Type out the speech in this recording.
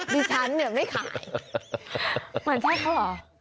ดิฉันเนี่ยไม่ขายเหมือนใช่เขาเหรอ